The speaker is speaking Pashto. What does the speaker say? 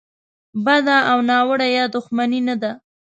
بده او ناوړه یا دوښمني نه ده.